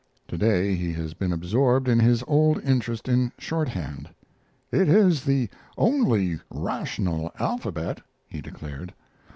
To day he has been absorbed in his old interest in shorthand. "It is the only rational alphabet," he declared.